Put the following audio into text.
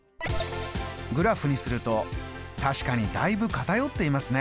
グラフにすると確かにだいぶ偏っていますね。